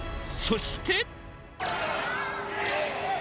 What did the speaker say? そして。